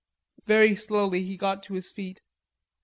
Very slowly he got to his feet.